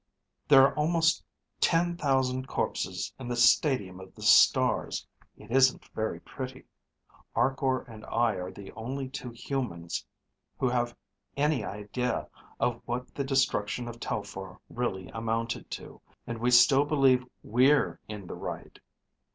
There're almost ten thousand corpses in the Stadium of the Stars. It isn't very pretty. Arkor and I are the only two humans who have any idea of what the destruction of Telphar really amounted to. And we still believe we're in the right."